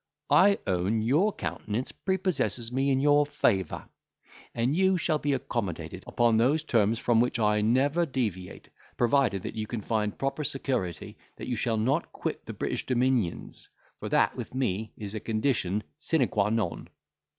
I own your countenance prepossesses me in your favour; and you shall be accommodated, upon those terms from which I never deviate, provided you can find proper security, that you shall not quit the British dominions; for that, with me, is a condition sine qua non."